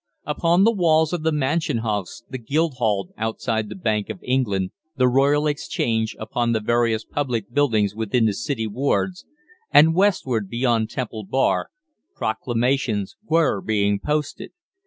Upon the walls of the Mansion House, the Guildhall, outside the Bank of England, the Royal Exchange, upon the various public buildings within the city wards, and westward beyond Temple Bar, proclamations were being posted.